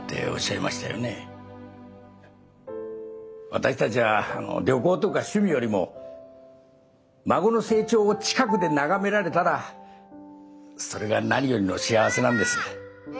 私たちは旅行とか趣味よりも孫の成長を近くで眺められたらそれが何よりの幸せなんですね。